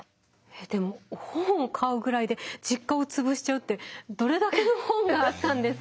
でも本を買うぐらいで実家を潰しちゃうってどれだけの本があったんですか？